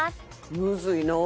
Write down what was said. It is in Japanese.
「むずいな」